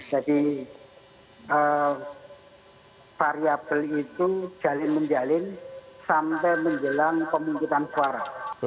jadi variable itu jalin menjalin sampai menjelang pemungkutan suara